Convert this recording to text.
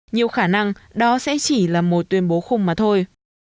nhiều khả năng đó sẽ chỉ là một tuyên bố khung mà thôi